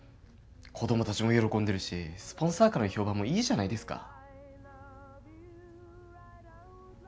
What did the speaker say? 子供たちも喜んでいるしスポンサーからの評判もいいじゃないですか。